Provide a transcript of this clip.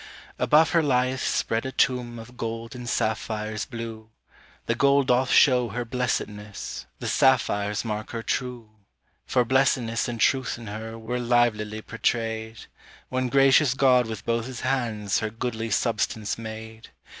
Above her lieth spread a tomb Of gold and sapphires blue: The gold doth show her blessedness, The sapphires mark her true; For blessedness and truth in her Were livelily portrayed, When gracious God with both his hands Her goodly substance made.